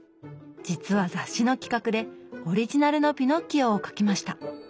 実は雑誌の企画でオリジナルのピノッキオを描きました。